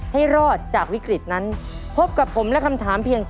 ให้รอดจากวิกฤตนั้นพบกับผมและคำถามเพียง